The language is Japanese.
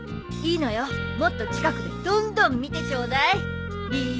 いいのよもっと近くでどんどん見てちょうだい。